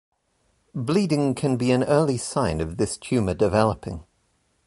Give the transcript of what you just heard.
Bleeding can be an early sign of this tumor developing.